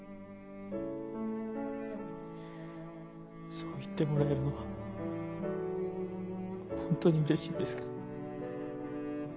そう言ってもらえるのは本当にうれしいんですけど。